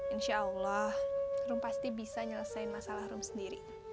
insya allah rum pasti bisa nyelesaikan masalah rum sendiri